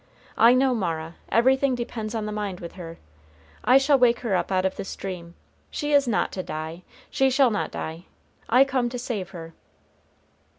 I know Mara; everything depends on the mind with her. I shall wake her up out of this dream. She is not to die. She shall not die, I come to save her."